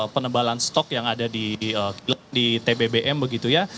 penebalan stok yang ada di tbbm begitu ya